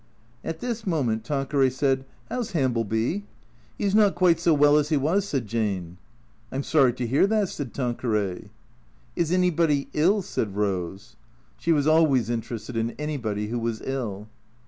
At this moment Tanqueray said, " How 's Hambleby ?"" He 's not quite so well as he was," said Jane. " I 'm sorry to hear that," said Tanqueray. " Is anybody ill ?" said Eose. She was always interested in anybody who was ill.